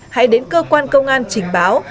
hãy đến cơ quan công an trình báo